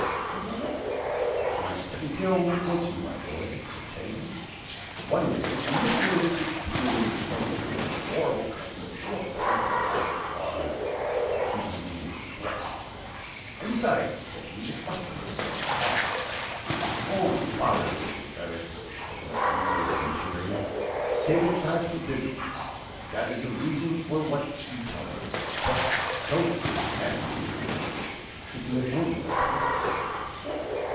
said Robert. "My second tale will answer you, my boy," said Paganel: "One day a missionary was reproving a cannibal for the horrible custom, so abhorrent to God's laws, of eating human flesh! 'And beside,' said he, 'it must be so nasty!' 'Oh, father,' said the savage, looking greedily at the missionary, 'say that God forbids it! That is a reason for what you tell us. But don't say it is nasty! If you had only tasted it!